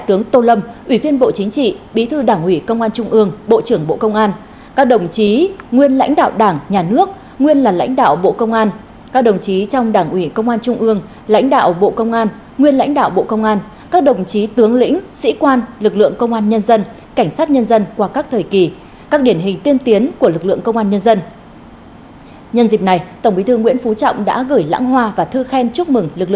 tổng bí thư nguyễn phú trọng đã gửi lãng hoa và thư khen chúc mừng lực lượng cảnh sát nhân dân kỷ niệm sáu mươi năm ngày truyền thống